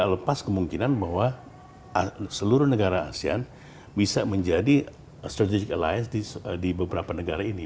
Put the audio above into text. lepas kemungkinan bahwa seluruh negara asean bisa menjadi strategic alias di beberapa negara ini